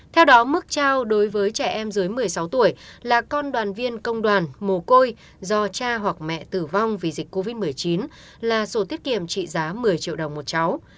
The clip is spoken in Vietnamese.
theo đó mức trao đối với trẻ em dưới một mươi sáu tuổi là con đoàn viên công đoàn mồ côi do cha hoặc mẹ tử vong vì dịch covid một mươi chín là sổ tiết kiệm trị giá một mươi triệu đồng một cháu